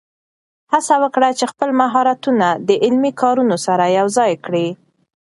هڅه وکړه چې خپل مهارتونه د عملي کارونو سره یوځای کړې.